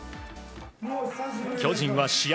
巨人は試合